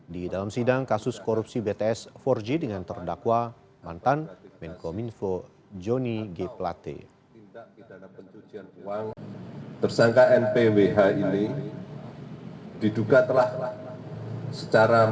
di dalam sidang kasus korupsi bts empat g dengan terdakwa mantan menko minfo joni g plate